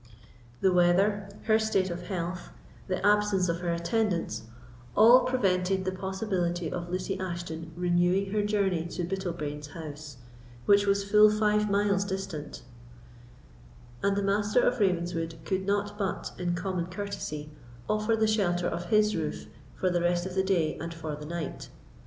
The weather, her state of health, the absence of her attendants, all prevented the possibility of Lucy Ashton renewing her journey to Bittlebrains House, which was full five miles distant; and the Master of Ravenswood could not but, in common courtesy, offer the shelter of his roof for the rest of the day and for the night.